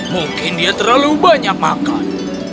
mungkin dia terlalu banyak makan